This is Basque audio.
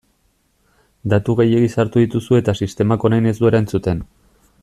Datu gehiegi sartu dituzu eta sistemak orain ez du erantzuten.